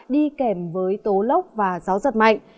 đi kèm với tố lốc và gió giật mạnh